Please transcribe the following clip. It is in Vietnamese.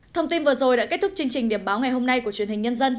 thông tin vừa rồi đã kết thúc chương trình điểm báo ngày hôm nay của truyền hình nhân dân